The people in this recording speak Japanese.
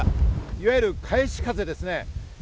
いわゆる返し風ですね。